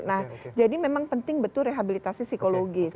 nah jadi memang penting betul rehabilitasi psikologis